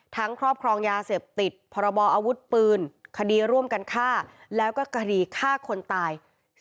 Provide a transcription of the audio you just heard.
ครอบครองยาเสพติดพรบออาวุธปืนคดีร่วมกันฆ่าแล้วก็คดีฆ่าคนตาย